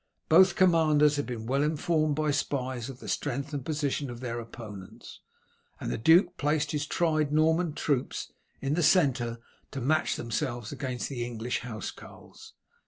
Both commanders had been well informed by spies of the strength and position of their opponents, and the duke placed his tried Norman troops in the centre to match themselves against the English housecarls.